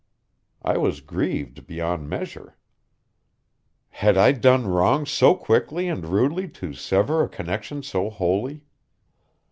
I was grieved beyond measure. Had I done wrong so quickly and rudely to sever a connection so holy?